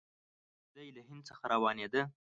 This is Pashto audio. کله چې دی له هند څخه روانېده.